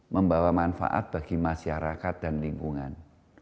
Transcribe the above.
membawa manfaat bagi masyarakat dan lingkungan